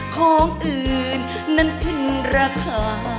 ของอื่นนั้นขึ้นราคา